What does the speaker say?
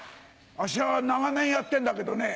あっしは長年やってんだけどね